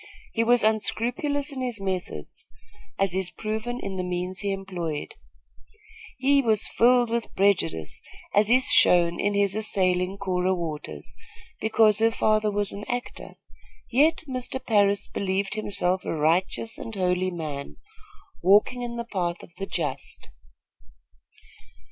He was unscrupulous in his methods, as is proven in the means he employed. He was filled with prejudice, as is shown in his assailing Cora Waters, because her father was an actor; yet Mr. Parris believed himself a righteous and holy man, walking in the path of the just.